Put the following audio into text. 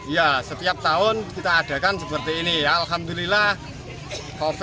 ya setiap tahun kita adakan seperti ini ya alhamdulillah kopi